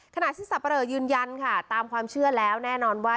ขณะที่สับปะเหลอยืนยันค่ะตามความเชื่อแล้วแน่นอนว่า